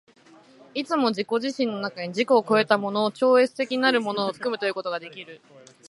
いつも自己自身の中に自己を越えたもの、超越的なるものを含むということができる。